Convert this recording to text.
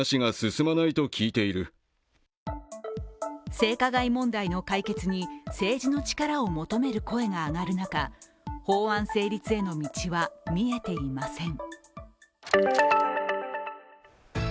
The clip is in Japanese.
性加害問題の解決に政治の力を求める声が上がる中法案成立への道は見えていません。